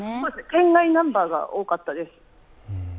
県外ナンバーが多かったです。